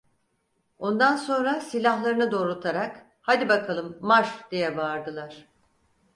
Ondan sonra silahlarını doğrultarak: "Hadi bakalım, marş!" diye bağırdılar.